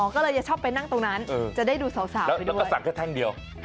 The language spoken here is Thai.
ก็เลยจะชอบไปนั่งตรงนั้นจะได้ดูสาวแล้วก็สั่งแค่แท่งเดียว